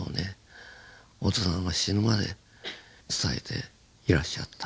小津さんは死ぬまで伝えていらっしゃった。